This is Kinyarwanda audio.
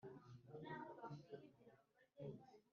ku irembo wasangaga hariho igishusho cy'intare.